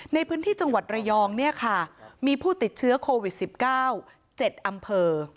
ในพื้นที่จังหวัดระยองเนี่ยค่ะมีผู้ติดเชื้อโควิด๑๙๗อำเภอ